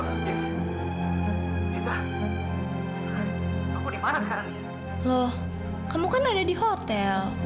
loh kamu kan ada di hotel